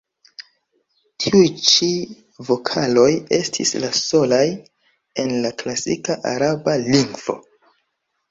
Tiuj ĉi vokaloj estis la solaj en la klasika araba lingvo.